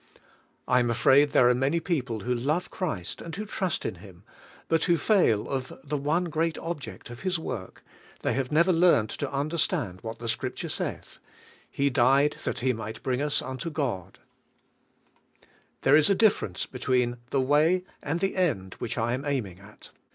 I am afraid there are many peo ple who love Christ and who trust in Him, but who fail of the one great object of His work; they have never learned to understand what the Scrip ture saith: "He died, that He might bring us unto God." 42 WAITING ON GOD There is a difference between the way and the end which I am aiming at.